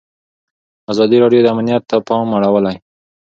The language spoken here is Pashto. ازادي راډیو د امنیت ته پام اړولی.